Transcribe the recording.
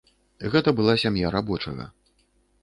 Гэта была сям'я рабочага.